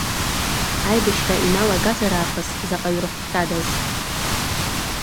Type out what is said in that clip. Аибашьра иналагазар аахыс заҟаҩ рхәхьадаз…